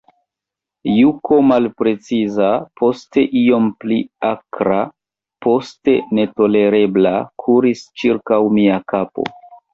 Juko malpreciza, poste iom pli akra, poste netolerebla, kuris ĉirkaŭ mia kapo.